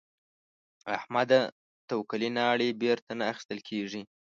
احمده؛ توکلې ناړې بېرته نه اخيستل کېږي.